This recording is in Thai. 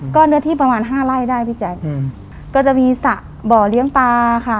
ก็เนื้อที่ประมาณห้าไร่ได้พี่แจ๊คอืมก็จะมีสระบ่อเลี้ยงปลาค่ะ